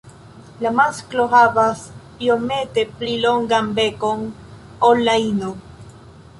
La masklo havas iomete pli longan bekon ol la ino.